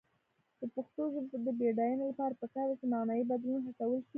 د پښتو ژبې د بډاینې لپاره پکار ده چې معنايي بدلون هڅول شي.